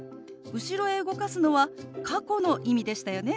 後ろへ動かすのは過去の意味でしたよね。